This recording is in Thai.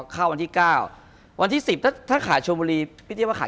คุณผู้ชมบางท่าอาจจะไม่เข้าใจที่พิเตียร์สาร